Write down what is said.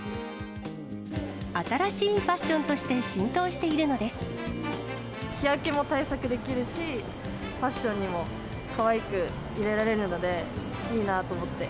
新しいファッションとして浸日焼けも対策できるし、ファッションにも、かわいく入れられるので、いいなと思って。